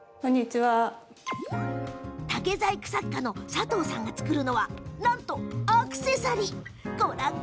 竹細工作家のさとうさんが作るのはなんとアクセサリー。